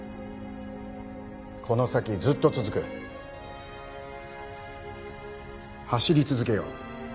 この先ずっと続く走り続けよう